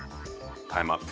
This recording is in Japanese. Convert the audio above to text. タイムアップ。